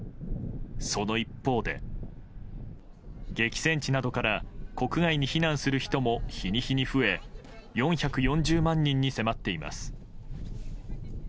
その一方で、激戦地などから国外に避難する人も日に日に増え４４０万人に迫っています。